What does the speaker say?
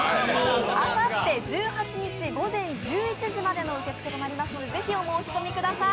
あさって１８日午前１１時までの申し込みとなりますので、ぜひお申し込みください。